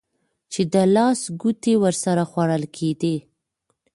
چې د لاس ګوتې ورسره خوړل کېدې.